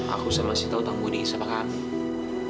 aku sama sita tanggung di isapakamu